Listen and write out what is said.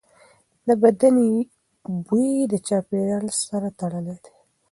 د بدن بوی د چاپېریال سره تړلی دی.